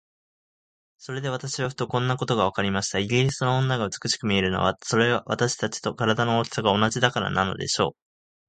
それで私はふと、こんなことがわかりました。イギリスの女が美しく見えるのは、それは私たちと身体の大きさが同じだからなのでしょう。